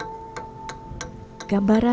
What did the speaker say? mereka yang selamat dari gempa